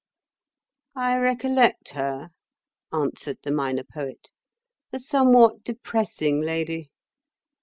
'" "I recollect her," answered the Minor Poet, "a somewhat depressing lady.